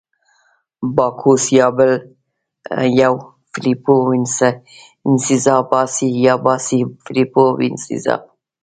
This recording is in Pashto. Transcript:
باکوس یا بل یو، فلیپو وینسینزا، باسي یا باسي فلیپو وینسینزا.